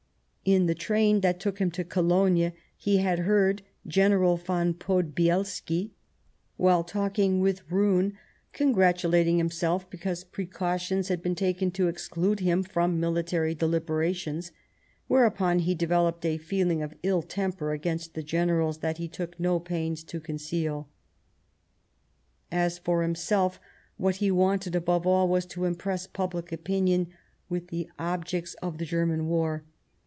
In the train that took him to Cologne he had heard General von Podbielski, while talking with Roon, congratulating himself because precautions had been taken to exclude him from military deliberations ; whereupon he developed a feeling of ill temper against the generals that he took no pains to conceal. As for himself, what he wanted above all was to impress public opinion with the objects of the German war.